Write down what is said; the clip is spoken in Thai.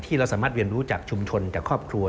เราสามารถเรียนรู้จากชุมชนจากครอบครัว